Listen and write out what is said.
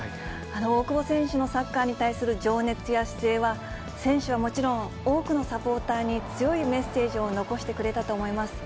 大久保選手のサッカーに対する情熱や姿勢は、選手はもちろん、多くのサポーターに強いメッセージを残してくれたと思います。